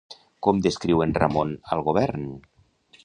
Com descriu en Ramon al govern?